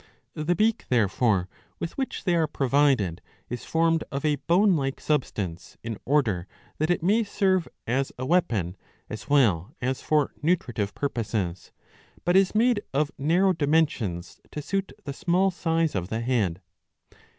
The beak therefore with which they are provided is formed of a bone like substance, in order that it may serve as a weapon as well as for nutritive purposes, but is made of narrow dimensions to suit the small size of the head.